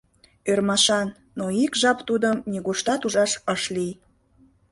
Ӧрмашан, но ик жап тудым нигуштат ужаш ыш лий.